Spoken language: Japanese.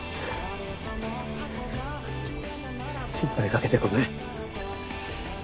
心配かけてごめん。